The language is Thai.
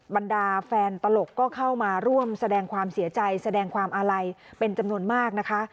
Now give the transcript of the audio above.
บรรดาแฟนตลกก็เข้ามาร่วมแสดงความเสียใจแสดงความอาลัยเป็นจำนวนมากนะคะ